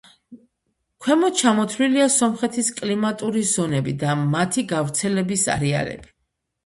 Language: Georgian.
ქვემოთ ჩამოთვლილია სომხეთის კლიმატური ზონები და მათი გავრცელების არეალები.